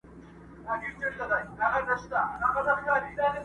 امتياز يې د وهلو کُشتن زما دی،